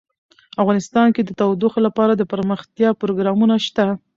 افغانستان کې د تودوخه لپاره دپرمختیا پروګرامونه شته.